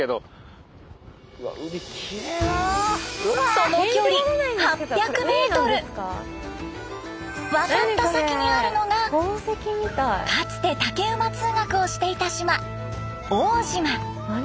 その距離渡った先にあるのがかつて竹馬通学をしていた島奥武島。